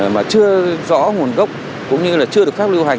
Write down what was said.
mà chưa rõ nguồn gốc cũng như là chưa được phép lưu hành